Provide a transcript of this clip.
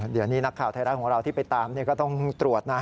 เดี๋ยวนี้นักข่าวไทยรัฐของเราที่ไปตามก็ต้องตรวจนะ